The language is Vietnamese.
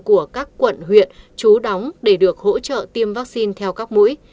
của các quận huyện chú đóng để được hỗ trợ tiêm vắc xin theo các mũi